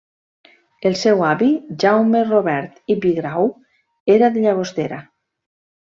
El seu avi Jaume Robert i Pigrau era de Llagostera.